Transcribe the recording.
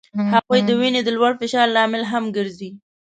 هغوی د وینې د لوړ فشار لامل هم ګرځي.